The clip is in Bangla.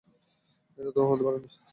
এটা তো ও হতে পারে না।